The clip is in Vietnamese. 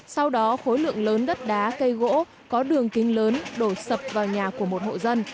sau đó khối lượng lớn đất đá cây gỗ có đường kính lớn đổ sập vào nhà của một hộ dân